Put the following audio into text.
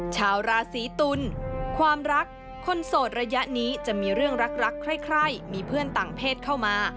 ชาวราศีตุลความรักคนโสดระยะนี้จะมีเรื่องรักใครมีเพื่อนต่างเพศเข้ามา